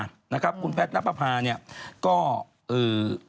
ก็ออกมาพูดอะไรนิดหน่อยเหมือนกัน